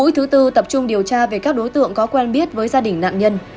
sư tập trung điều tra về các đối tượng có quen biết với gia đình nạn nhân